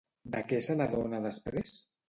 De què se n'adona després?